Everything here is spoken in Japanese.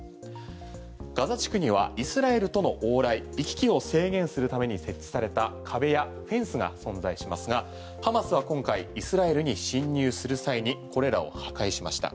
ガザ地区にはイスラエルとの往来行き来を制限するために設置された壁やフェンスが存在しますがハマスは今回イスラエルに侵入する際にこれらを破壊しました。